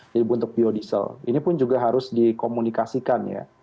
jadi untuk biodiesel ini pun juga harus dikomunikasikan ya